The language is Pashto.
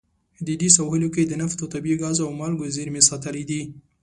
د دې سواحلو کې د نفتو، طبیعي ګازو او مالګو زیرمې ساتلې دي.